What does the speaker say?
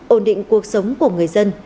ồn định cuộc sống của người dân